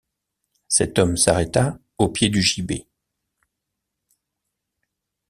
Cet homme s’arrêta au pied du gibet.